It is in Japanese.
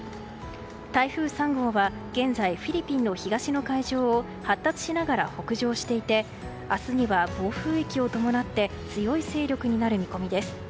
台風３号は現在、フィリピンの東の海上を発達しながら北上していて明日には、暴風域を伴って強い勢力になる見込みです。